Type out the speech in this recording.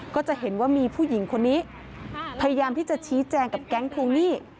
ก็จะเห็นว่ามีผู้หญิงคนนี้พยายามที่จะชี้แจงกับแก๊งทวงหนี้